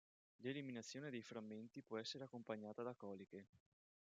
L’eliminazione dei frammenti può essere accompagnata da coliche.